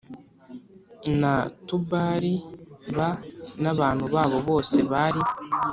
na Tubali b n abantu babo bose bari